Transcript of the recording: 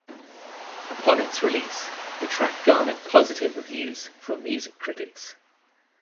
Upon its release, the track garnered positive reviews from music critics.